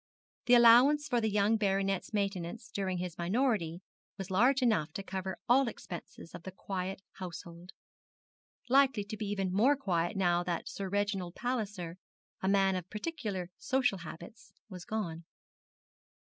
The allowance for the young baronet's maintenance during his minority was large enough to cover all expenses of the very quiet household, likely to be even more quiet now that Sir Reginald Palliser, a man of particularly social habits, was gone.